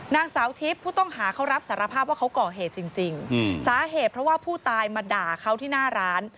นางสาวทิพย์ผู้ต้องหาเขารับสารภาพว่าเขาก่อเหตุจริงสาเหตุเพราะว่าผู้ตายมาด่าเขาที่หน้าร้าน